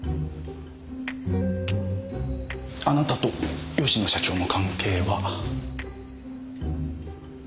あなたと吉野社長の関係は？